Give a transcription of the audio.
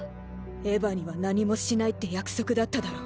エヴァには何もしないって約束だっただろ。